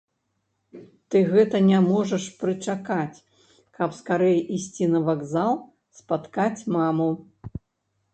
Ты гэта не можаш прычакаць, каб скарэй ісці на вакзал спаткаць маму.